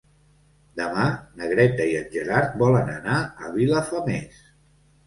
Demà na Greta i en Gerard volen anar a Vilafamés.